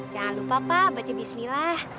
jangan lupa pak baji bismillah